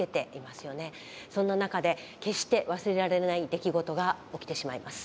そんな中で決して忘れられない出来事が起きてしまいます。